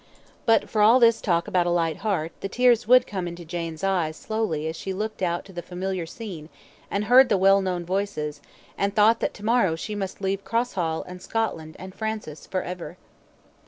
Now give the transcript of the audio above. But for all this talk about a light heart, the tears would come into Jane's eyes slowly as she looked out to the familiar scene and heard the well known voices, and thought that to morrow she must leave Cross Hall and Scotland and Francis for ever.